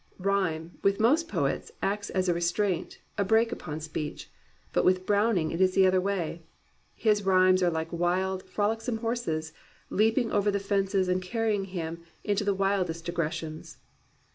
Rhyme, with most poets, acts as a restraint, a brake upon speech. But with Brown ing it is the other way. His rhymes are like wild, frolicsome horses, leaping over the fences and carry ing him into the widest digressions.